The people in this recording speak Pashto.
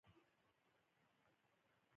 په دوهم غزل کې ټول سېلابونه پوره دي.